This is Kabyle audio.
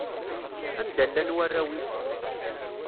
Anda llan warraw-ik?